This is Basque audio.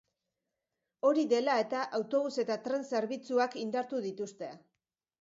Hori dela eta, autobus eta tren zerbitzuak indartu dituzte.